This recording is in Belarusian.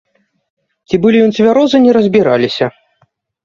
Ці былі ён цвярозы, не разбіраліся.